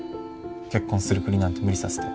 結婚するふりなんて無理させて。